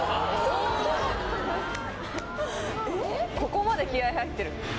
ここまで気合入ってる。